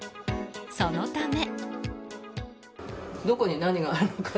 そのため。